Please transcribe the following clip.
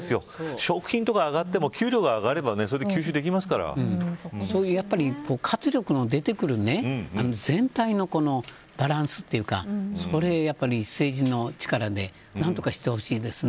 食品とかが上がっても給料が上がればやっぱり、活力の出てくる全体のバランスというか政治の力で何とかしてほしいですね。